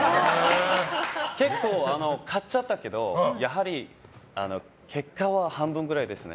結構、買っちゃったけどやはり結果は半分ぐらいですね。